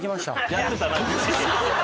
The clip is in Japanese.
やってたな。